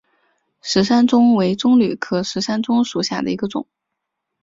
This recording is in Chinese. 石山棕为棕榈科石山棕属下的一个种。